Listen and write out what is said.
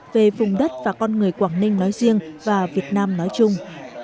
về vùng đất và con người quảng ninh nói riêng và việt nam nói chung